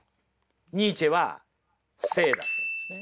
ニーチェは生だって言うんですね。